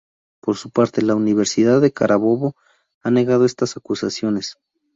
Por su parte, la Universidad de Carabobo ha negado estas acusaciones.